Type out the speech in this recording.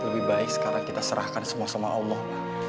lebih baik sekarang kita serahkan semua sama allah